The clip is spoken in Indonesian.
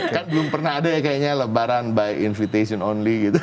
kan belum pernah ada ya kayaknya lebaran by invitation only gitu